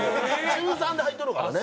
中３で入っとるからね。